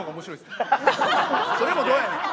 それもどうやねん。